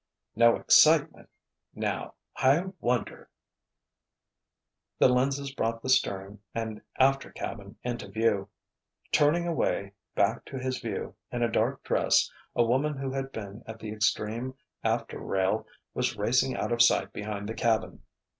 "No excitement—now, I wonder——" The lenses brought the stern and after cabin into view. Turning away, back to his view, in a dark dress, a woman who had been at the extreme after rail was racing out of sight behind the cabin.